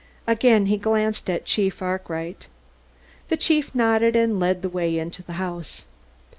Again he glanced at Chief Arkwright. The chief nodded, and led the way into the house.